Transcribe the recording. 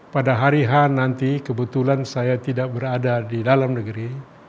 pada hari h nanti kebetulan saya tidak berada di dalam negeri